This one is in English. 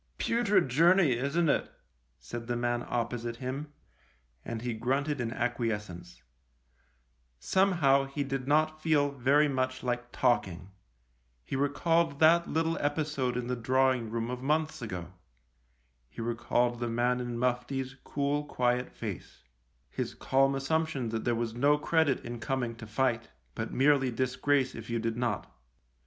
" Putrid journey, isn't it ?" said the man opposite him, and he grunted in acquiescence. Somehow he did not feel very much like talking. He recalled that little episode in the drawing room of months ago ; he recalled the man in mufti's cool, quiet face — his calm assumption that there was no credit in coming to fight, but merely disgrace if you did not.